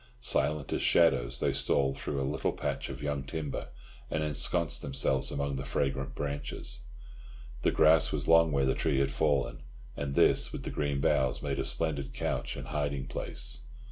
Silent as shadows, they stole through a little patch of young timber, and ensconced themselves among the fragrant branches. The grass was long where the tree had fallen, and this, with the green boughs, made a splendid couch and hiding place.